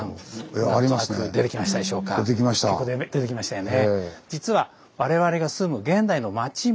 結構出てきましたよね。